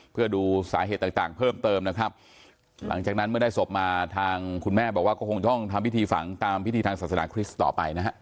เพื่อดูสาเหตุต่างต่างเพิ่มเติมนะครับหลังจากนั้นเมื่อได้ศพมาทางคุณแม่บอกว่าก็คงต้องทำพิธีฝังตามพิธีทางศาสนาคริสต์ต่อไปนะฮะ